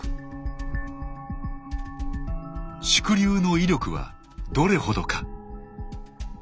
縮流の威力はどれほどか。